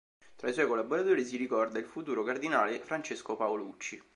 Tra i suoi collaboratori, si ricorda il futuro cardinale Francesco Paolucci.